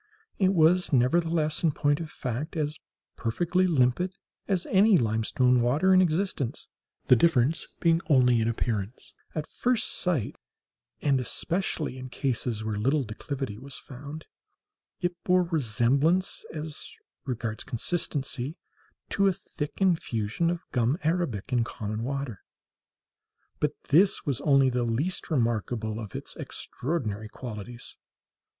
It was, nevertheless, in point of fact, as perfectly limpid as any limestone water in existence, the difference being only in appearance. At first sight, and especially in cases where little declivity was found, it bore resemblance, as regards consistency, to a thick infusion of gum arabic in common water. But this was only the least remarkable of its extraordinary qualities.